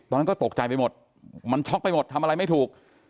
ตอนนั้นก็ตกใจไปหมดมันช็อกไปหมดทำอะไรไม่ถูก